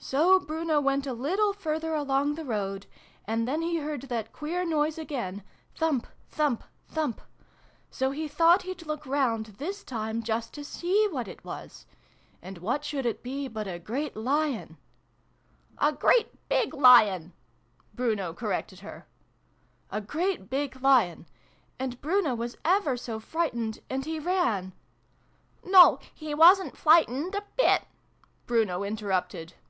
" So Bruno went a little further along the road. And then he heard that queer noise again Thump ! Thump ! Thump ! So he thought he'd look round, this time, just to see what it was. And what should it be but a great Lion !" xiv] BRUNO'S PICNIC. 227 "A great big Lion," Bruno corrected her. "A great big Lion. And Bruno was ever so frightened, and he ran "No, he wasn't flight ened a bit !" Bruno interrupted.